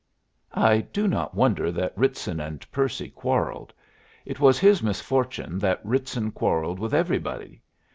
I do not wonder that Ritson and Percy quarrelled. It was his misfortune that Ritson quarrelled with everybody.